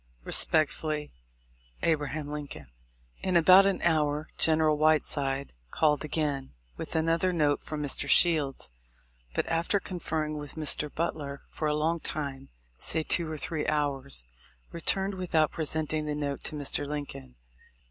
Respecefully, A. Lincoln. In about an hour, General Whiteside called again with another note from Mr. Shields ; but after con ferring with Mr. Butler for a long time, say two or three hours, returned without presenting the note to Mr. Lincoln.